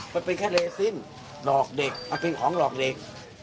มันเป็นแค่เลซินหลอกเด็กมันเป็นของหลอกเด็ก